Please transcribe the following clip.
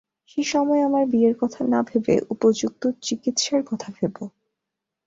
সে সময়ে আমার বিয়ের কথা না ভেবে উপযুক্ত চিকিৎসার কথা ভেবো।